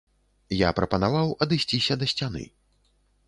Я прапанаваў адысціся да сцяны.